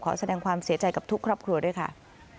แสดงความเสียใจกับทุกครอบครัวด้วยค่ะ